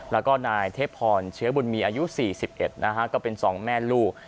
แล้วก็นายเทพพรเชื้อบุญมีอายุสี่สิบเอ็ดนะฮะก็เป็นสองแม่ลูก